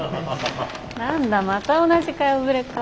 何だまた同じ顔ぶれか。